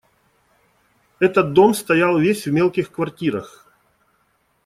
Этот дом стоял весь в мелких квартирах.